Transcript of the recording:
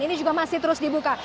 ini juga masih terus dibuka